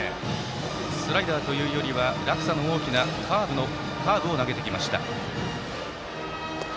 スライダーというより落差の大きなカーブを投げました。